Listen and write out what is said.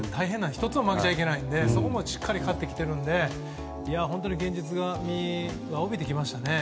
１つも負けちゃいけないのでそこもしっかり勝っているので本当に現実味が帯びてきましたね。